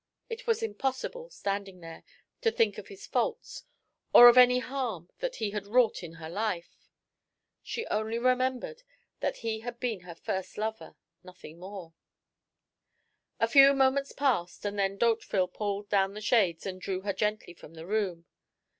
It was impossible, standing there, to think of his faults, or of any harm that he had wrought in her life. She only remembered that he had been her first lover nothing more. A few moments passed, and then D'Hauteville pulled down the shades and drew her gently from the room.